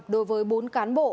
đối với bốn cán bộ